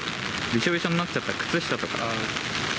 びしょびしょになっちゃった靴下とか。